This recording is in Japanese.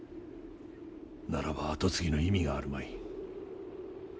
ならば跡継ぎの意味があるまい。